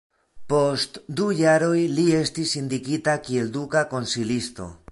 Post du jaroj li estis indikita kiel duka konsilisto.